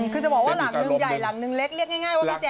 คือจะบอกว่าหลังนึงใหญ่หลังนึงเล็กเรียกง่ายว่าพี่แจ